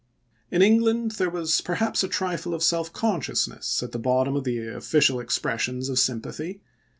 In England there was perhaps a trifle of self consciousness at the bottom of the official expres sions of sympathy.